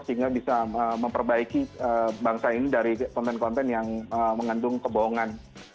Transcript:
sehingga bisa memperbaiki bangsa ini dari konten konten yang mengandung kebohongan